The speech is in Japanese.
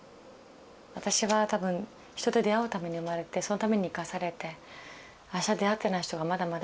私は多分人と出会うために生まれてそのために生かされてあした出会ってない人がまだまだいる。